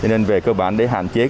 nên về cơ bản để hạn chế